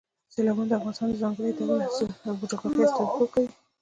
سیلابونه د افغانستان د ځانګړي ډول جغرافیه استازیتوب کوي.